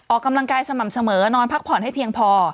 ออกกำลังกายสม่ำเสมอนอนพักผ่อนให้เพียงพอ